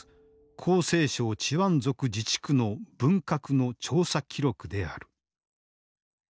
広西省チワン族自治区の文革の調査記録である。